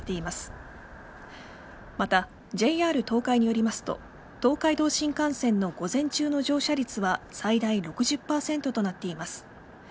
また、ＪＲ東海によりますと東海道新幹線の午前中の乗車率は最大６０％となっています。